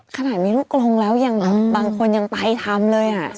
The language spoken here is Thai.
ขนาดนี้ลูกกลงแล้วอย่างบางคนยังตายทำเลย